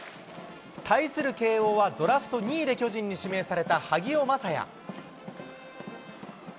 対する慶應は、ドラフト２位で巨人に指名された萩尾匡也。